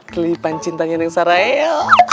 kelipan cintanya teng saraheyo